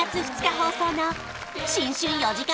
放送の新春４時間